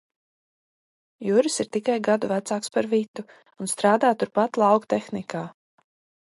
Juris ir tikai gadu vecāks par Vitu, un strādā turpat Lauktehnikā.